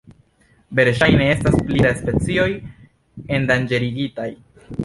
Verŝajne estas pli da specioj endanĝerigitaj.